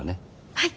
はい！